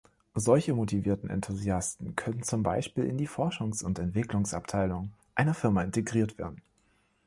Solche motivierten Enthusiasten können zum Beispiel in die Forschungs- und Entwicklungsabteilung einer Firma integriert werden.